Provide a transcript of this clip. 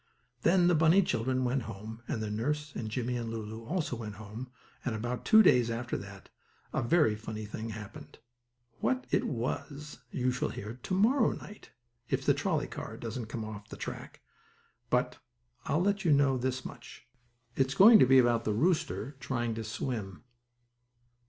Then the bunny children went home with their nurse and Jimmie and Lulu also went home and about two days after that a very funny thing happened. What it was you shall hear to morrow night if the trolley car doesn't get off the track, but I'll let you know this much it's going to be about the rooster trying to swim.